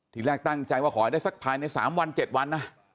ที่แรกตั้งใจว่าขอได้สักภายในสามวันเจ็ดวันนะ